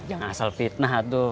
asal fitnah itu